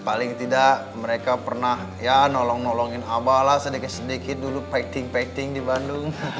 paling tidak mereka pernah ya nolong nolongin abah lah sedikit sedikit dulu pacting pacting di bandung